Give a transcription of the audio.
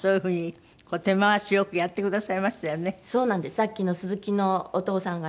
さっきの鈴木のお父さんがね